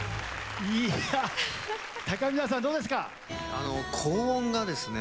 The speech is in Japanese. いや高見沢さんどうですか？